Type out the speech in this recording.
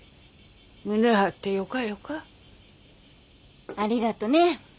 胸張ってよかよか。ありがとね。